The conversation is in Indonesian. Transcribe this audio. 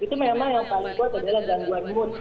itu memang yang paling kuat adalah gangguan moon